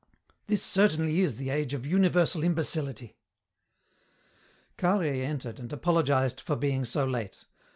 "This certainly is the age of universal imbecility." Carhaix entered and apologized for being so late.